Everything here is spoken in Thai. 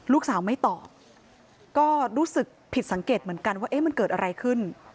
ลูกสาวไม่ตอบก็รู้สึกผิดสังเกตเหมือนกันว่าเอ๊ะมันเกิดอะไรขึ้น